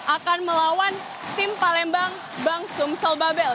akan melawan tim palembang bangsumsel babel